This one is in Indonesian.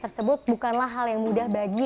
tersebut bukanlah hal yang mudah bagi